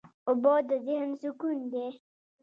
اوبه د ذهن سکون دي.